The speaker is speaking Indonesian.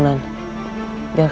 semua yang pertama